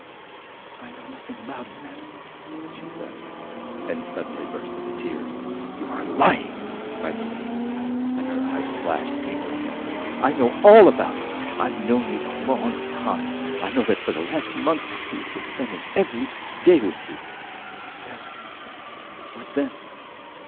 "I know nothing about it, madam," she said, and suddenly burst into tears. "You are lying!" cried the lady, and her eyes flashed angrily at her. "I know all about it! I've known you a long time. I know that for the last month he has been spending every day with you!" "Yes. What then?